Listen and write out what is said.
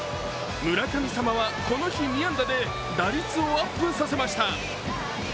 村神様はこの日、２安打で打率をアップさせました。